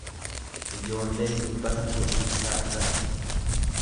Ijoolleen dubbata hojii isaa irratti.